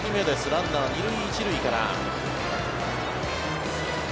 ランナー２塁１塁から。